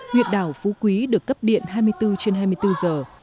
giá phú quý được cấp điện hai mươi bốn trên hai mươi bốn giờ